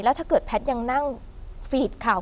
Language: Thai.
แล้วถ้าเกิดแฟนยังนั่งฝีดข่าว